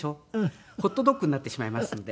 ホットドッグになってしまいますので。